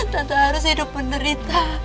tante harus hidup menerita